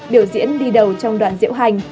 biểu diễn đi đầu trong đoàn diễu hành